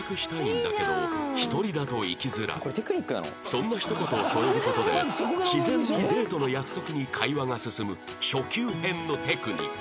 そんなひと言を添える事で自然にデートの約束に会話が進む初級編のテクニック